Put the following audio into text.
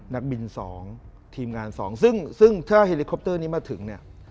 นักบิน๒ทีมงาน๒ซึ่งถ้าเฮลิคอปเตอร์นี้มาถึงเนี่ย